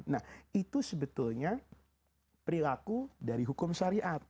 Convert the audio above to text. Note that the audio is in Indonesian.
nah itu sebetulnya perilaku dari hukum syariat